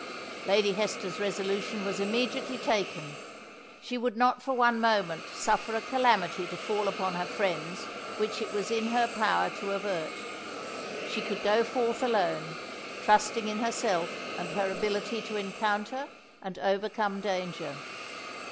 Lady Hester's resolution was immediately taken: she would not for one moment suffer a calamity to fall upon her friends which it was in her power to avert. She could go forth alone, trusting in herself and her ability to encounter and overcome danger.